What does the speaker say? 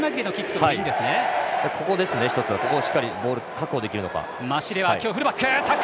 １つは、ここをしっかりボールを確保できるのか。